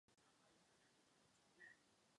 Od listopadu do března řeka částečně zamrzá.